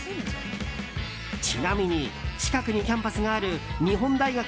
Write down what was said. ちなみに近くにキャンパスがある日本大学